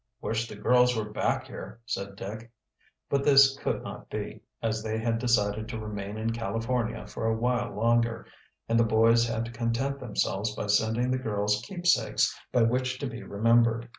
"Wish the girls were back here," said Dick. But this could not be, as they had decided to remain in California for a while longer, and the boys had to content themselves by sending the girls keepsakes by which to be remembered.